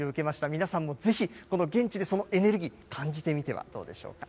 皆さんもぜひ、この現地でそのエネルギー、感じてみてはどうでしょうか。